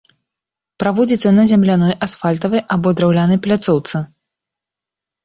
Праводзіцца на земляной, асфальтавай або драўлянай пляцоўцы.